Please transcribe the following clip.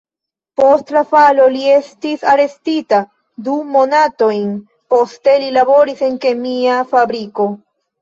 Post la falo li estis arestita du monatojn, poste li laboris en kemia fabriko.